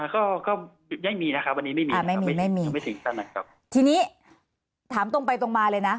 ก็ยังไม่มีนะครับไม่มีไม่มีทีนี้ถามตรงไปตรงมาเลยนะ